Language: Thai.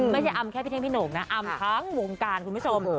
ไม่ใช่อำแค่พี่เท่งพี่หน่งนะอำทั้งวงการคุณผู้ชม